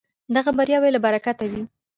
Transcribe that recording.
دغه بریاوې له برکته وې.